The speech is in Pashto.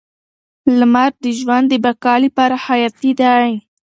لمر د ژوند د بقا لپاره حیاتي دی.